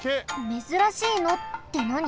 めずらしいのってなに？